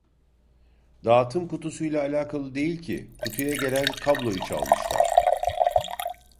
Dağıtım kutusuyla alakalı değil ki kutuya gelen kabloyu çalmışlar